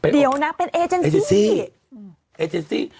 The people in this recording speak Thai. เดี๋ยวนะเป็นอิเชนซี่